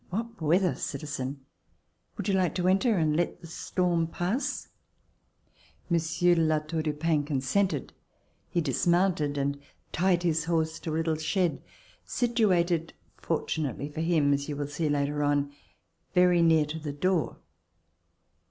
"What weather, citizen! Would you like to enter and let the storm pass.'" Monsieur de La Tour du Pin consented. He dismounted and tied his horse to a little shed, situated fortunately for him, as you will see later on, very near to the door.